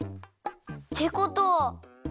ってことは。